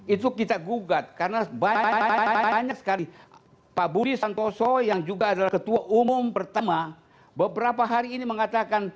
itu kita gugat karena banyak sekali pak budi santoso yang juga adalah ketua umum pertama beberapa hari ini mengatakan